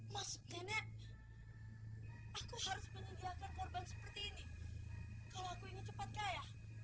maksudnya aku harus meninggalkan korban seperti ini kalau aku ingin cepat kaya